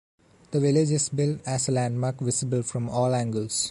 The village is built as a landmark visible from all angles.